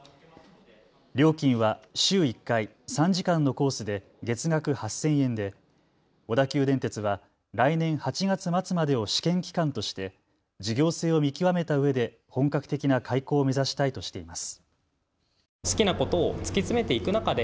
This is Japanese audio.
料金は週１回３時間のコースで月額８０００円で小田急電鉄は来年８月末までを試験期間として事業性を見極めたうえで本格的な開校を目指したいとしています。